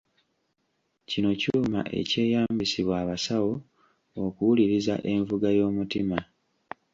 Kino kyuma ekyeyambisibwa abasawo okuwuliriza envuga y'omutima.